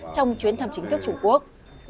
trong chuyến thăm chính thức trung quốc